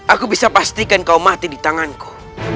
aku bisa pastikan kau mati di tanganku